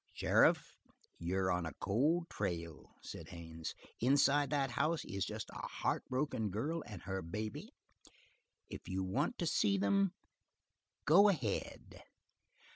"Sheriff you're on a cold trail," said Haines. "Inside that house is just a heart broken girl and her baby. If you want to see them go ahead!"